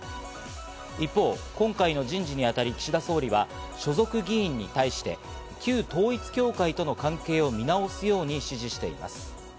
一方、今回の人事にあたり岸田総理は所属議員に対して旧統一教会との関係を見直すように指示しています。